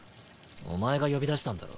お前が呼び出したんだろ？